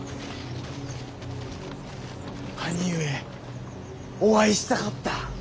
兄上お会いしたかった。